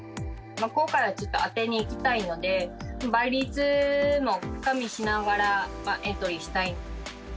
今回はちょっと当てにいきたいので、倍率も加味しながらエントリーしたい。